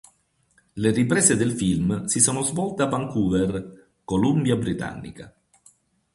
Le riprese del film si sono svolte a Vancouver, Columbia Britannica.